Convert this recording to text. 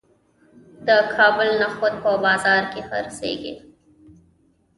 د کابل نخود په بازار کې خرڅیږي.